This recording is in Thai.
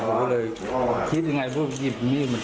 ผมก็เลยคิดอย่างไรพูดว่ามันแพงอะไร